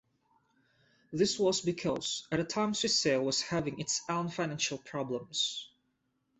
This was because at the time Swissair was having its own financial problems.